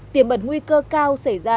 tiềm bật nguy cơ cao xảy ra